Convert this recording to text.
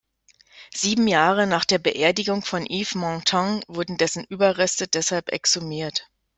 Sieben Jahre nach der Beerdigung von Yves Montand wurden dessen Überreste deshalb exhumiert.